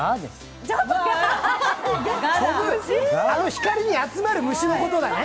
光に集まる虫のことだね？